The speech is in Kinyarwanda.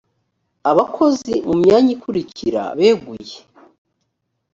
abakozi mu myanya ikurikira beguye